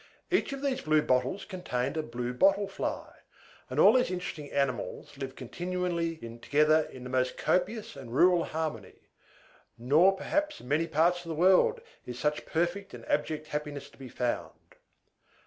Each of these blue bottles contained a Blue Bottle Fly; and all these interesting animals live continually together in the most copious and rural harmony: nor perhaps in many parts of the world is such perfect and abject happiness to be found.